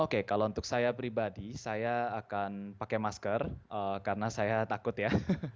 oke kalau untuk saya pribadi saya akan pakai masker karena saya takut ya